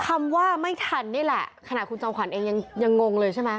คำว่าไม่ทันนี่แหละขณะคุณจอมขวัญเองยังงงเลยใช่ไหม